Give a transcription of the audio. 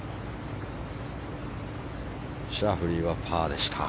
シャフリーはパーでした。